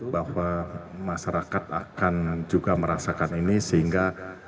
bahwa masyarakat akan juga merasakan ini sehingga